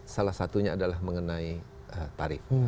salah satunya adalah mengenai tarif